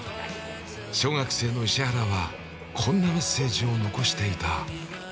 小学生の石原はこんなメッセージを残していた。